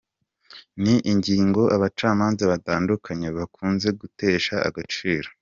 Ni ingingo abacamanza batandukanye bakunze gutesha agaciro.